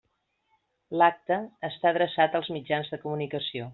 L'acte està adreçat als mitjans de comunicació.